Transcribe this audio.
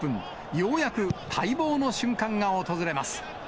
ようやく待望の瞬間が訪れます。